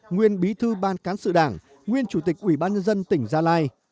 nguyên bí thư ban cán sự đảng nguyên chủ tịch ủy ban nhân dân tp đà nẵng